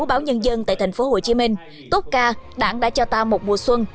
báo nhân dân tại thành phố hồ chí minh tốt ca đảng đã cho ta một mùa xuân